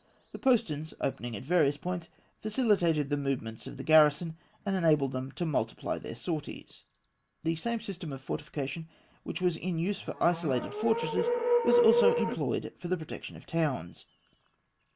The posterns opening at various points facilitated the movements of the garrison, and enabled them to multiply their sorties. [Illustration: Fig. 32. Plan of the walled city at El Kab.] The same system of fortification which was in use for isolated fortresses was also employed for the protection of towns.